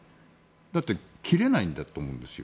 だって切れないんだと思うんですよ。